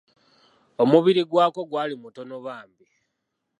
Omubiri gwako gwali mutono bambi.